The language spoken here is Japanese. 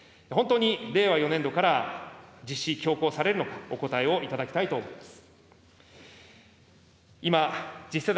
本当に令和４年度から実施強行されるのか、お答えをいただきたいと思います。